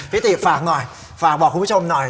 ติฝากหน่อยฝากบอกคุณผู้ชมหน่อย